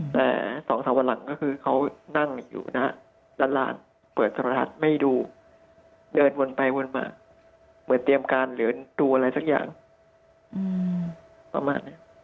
แต่๒๓วันหลังก็คือเขานั่งอยู่นะฮะหลานเปิดธรรมทัศน์ไม่ดูเดินวนไปวนมาเหมือนเตรียมการเหลือดูอะไรสักอย่างประมาณนี้